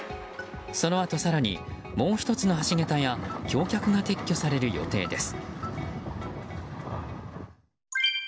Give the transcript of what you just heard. そのあと、更にもう１つの橋桁や橋脚が撤去される予定です。